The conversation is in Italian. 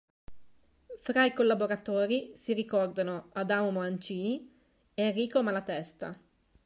Fra i collaboratori, si ricordano: Adamo Mancini, Errico Malatesta.